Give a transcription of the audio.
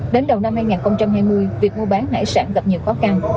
đến đầu năm hai nghìn hai mươi việc mua bán hải sản gặp nhiều khó khăn